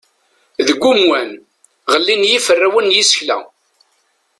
Deg umwan, ɣellin yiferrawen n yisekla.